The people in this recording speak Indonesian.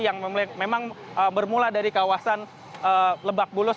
yang memang bermula dari kawasan lebak bulus